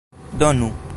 donu